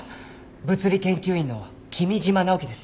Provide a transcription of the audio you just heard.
物理研究員の君嶋直樹です。